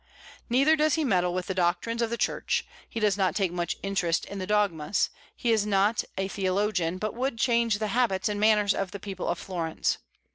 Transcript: Neither does he meddle with the doctrines of the Church; he does not take much interest in dogmas. He is not a theologian, but he would change the habits and manners of the people of Florence.